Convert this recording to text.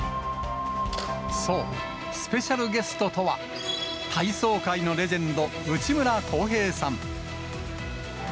そう、スペシャルゲストとは、体操界のレジェンド、内村航平さん。